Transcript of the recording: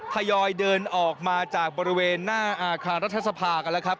ยอยเดินออกมาจากบริเวณหน้าอาคารรัฐสภากันแล้วครับ